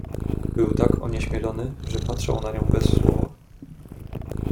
"Był tak onieśmielony, że patrzał na nią bez słowa."